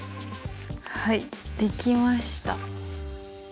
はいできました。